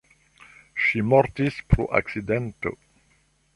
Ŝi mortis pro akcidento.